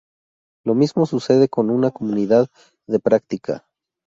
Lo mismo sucede con una comunidad de práctica.